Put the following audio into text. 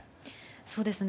そうですね。